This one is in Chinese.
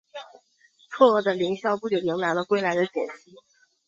错愕的林萧不久迎来了归来的简溪。